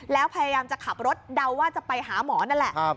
แล้วพยายามจะขับรถเดาว่าจะไปหาหมอนั่นแหละ